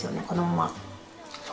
このまま。